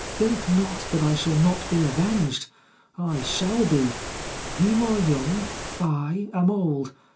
Think not that I shall not be avenged. I shall be. You are young ; I am old.